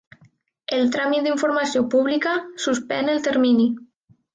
El tràmit d'informació pública suspèn el termini.